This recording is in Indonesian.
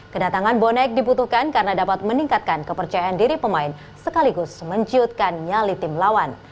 kedatangan bonek dibutuhkan karena dapat meningkatkan kepercayaan diri pemain sekaligus menciutkan nyali tim lawan